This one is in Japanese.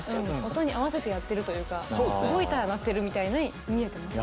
音に合わせてやってるというか動いたら鳴ってるみたいに見えてます。